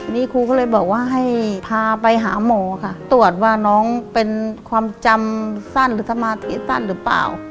นี่ครูก็เลยบอกว่าให้พาไปหาหมอค่ะตรวจว่าน้องเป็นความจำสั้นหรือสมาธิสั้นหรือเปล่า